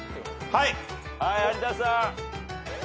はい有田さん。